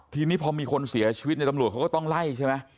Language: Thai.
ทีนี้พอมีคนเสียชีวิตในตำรวจเขาก็ต้องไล่ใช่ไหม